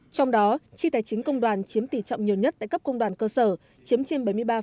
trong đó chi tài chính công đoàn chiếm tỷ trọng nhiều nhất tại cấp công đoàn cơ sở chiếm trên bảy mươi ba